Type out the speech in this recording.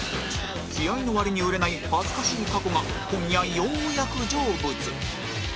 気合の割に売れない恥ずかしい過去が今夜ようやく成仏